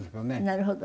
なるほど。